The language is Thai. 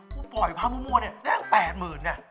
กูปล่อยพระมุมวตเนี่ยได้ตั้ง๘๐๐๐๐เนี่ย